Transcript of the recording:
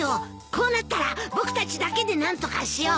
こうなったら僕たちだけで何とかしよう！